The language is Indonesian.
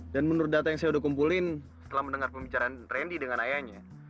dan menurut data yang saya udah kumpulin setelah mendengar pembicaraan randy dengan ayahnya